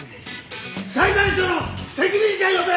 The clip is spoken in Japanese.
裁判所の責任者呼べ！